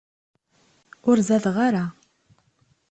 Ur zadeɣ ara.